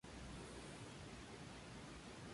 Wells y Verne rivalizaron en la primitiva ciencia ficción.